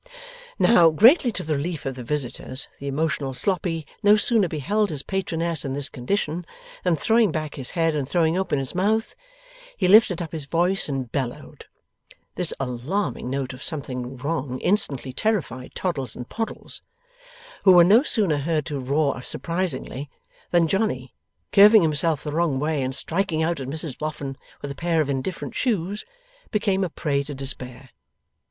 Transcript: Now, greatly to the relief of the visitors, the emotional Sloppy no sooner beheld his patroness in this condition, than, throwing back his head and throwing open his mouth, he lifted up his voice and bellowed. This alarming note of something wrong instantly terrified Toddles and Poddles, who were no sooner heard to roar surprisingly, than Johnny, curving himself the wrong way and striking out at Mrs Boffin with a pair of indifferent shoes, became a prey to despair.